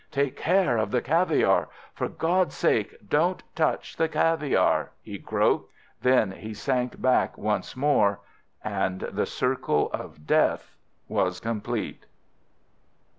"Take care of the caviare! For God's sake, don't touch the caviare!" he croaked. Then he sank back once more and the circle of death was complete.